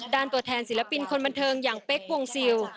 ตัวแทนศิลปินคนบันเทิงอย่างเป๊กวงซิล